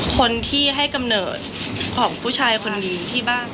คนที่ให้กำเนิดของผู้ชายคนนี้ที่บ้าน